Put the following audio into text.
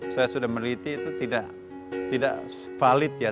saya sudah meliti itu tidak validan